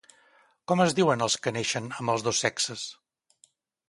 Com es diuen els que neixen amb els dos sexes?